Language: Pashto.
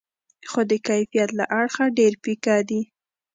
خو د کیفیت له اړخه ډېر پیکه دي.